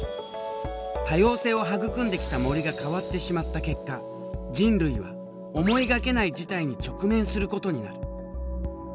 多様性を育んできた森が変わってしまった結果人類は思いがけない事態に直面することになる。